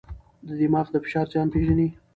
دماغ د فشار زیان پېژني.